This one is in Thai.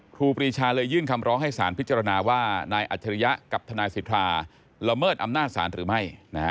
ครูปีชาเลยยื่นคำร้องให้ศาลพิจารณาว่านายอัชรุยะฐานละเมิดอำนาจศาลหรือไม่